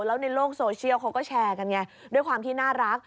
แล้วในโลกโซเชียลเขาก็แชร์กันไงด้วยความที่น่ารัก